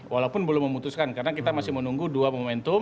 walaupun belum memutuskan karena kita masih menunggu dua momentum